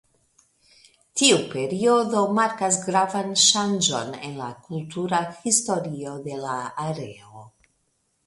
Tiu periodo markas gravan ŝanĝon en la kultura historio de la areo.